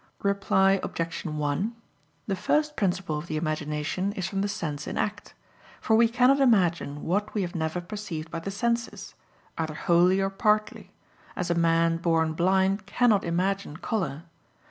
Reply Obj. 1: The first principle of the imagination is from the sense in act. For we cannot imagine what we have never perceived by the senses, either wholly or partly; as a man born blind cannot imagine color.